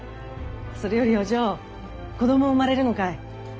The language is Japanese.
それよりお嬢子ども生まれるのかい？